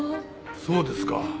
そうですか。